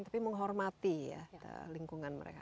tapi menghormati ya lingkungan mereka